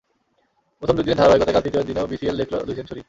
প্রথম দুই দিনের ধারাবাহিকতায় কাল তৃতীয় দিনেও বিসিএল দেখল দুই সেঞ্চুরি।